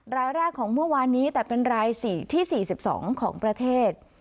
รายแรกของเมื่อวานนี้แต่เป็นรายที่๔๒ของประเทศ